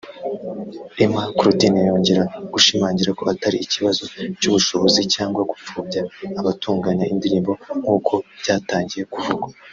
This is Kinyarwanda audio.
Emma Claudine yongera gushimangira ko atari ikibazo cy’ubushobozi cyangwa gupfobya abatunganya indirimbo nk’uko byatangiye kuvugwa